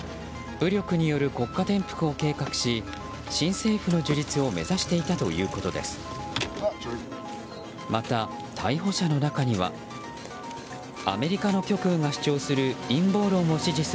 武力による国家転覆を計画し新政府の樹立を目指していたということです。